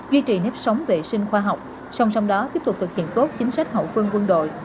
duy trì nếp sống vệ sinh khoa học song song đó tiếp tục thực hiện tốt chính sách hậu phương quân đội